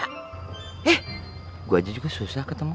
eh gue aja juga susah ketemu